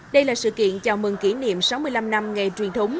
đây là sự kiện chào mừng kỷ niệm sáu mươi năm năm ngày truyền thống